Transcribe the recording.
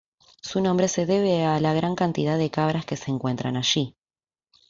Su nombre se debe a la gran cantidad de cabras que se encuentran allí.